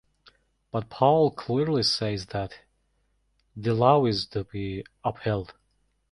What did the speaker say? But Paul clearly says that the Law is to be upheld.